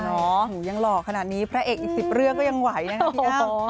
ใช่เนอะยังหลอกขนาดนี้พระเอกอีกสิบเรื่องก็ยังไหวนะครับพี่อ้าว